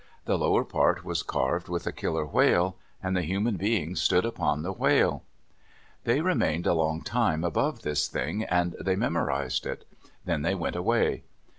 The lower part was carved with a killer whale, and the human being stood upon the whale. They remained a long time above this thing, and they memorized it. Then they went away.